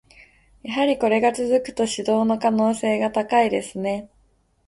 やはりこれが続くと、指導の可能性が高いですね。